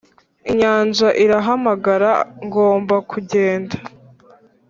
inyanja irahamagara ngomba kugenda.